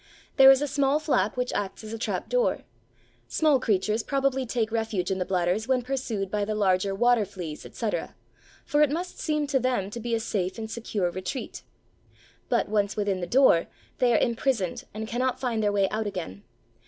There is a small flap which acts as a trapdoor. Small creatures probably take refuge in the bladders when pursued by the larger water fleas, etc., for it must seem to them to be a safe and secure retreat. But once within the door, they are imprisoned and cannot find their way out again.